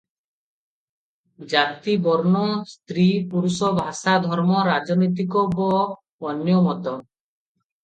ଜାତି, ବର୍ଣ୍ଣ, ସ୍ତ୍ରୀ, ପୁରୁଷ, ଭାଷା, ଧର୍ମ, ରାଜନୈତିକ ବ ଅନ୍ୟ ମତ ।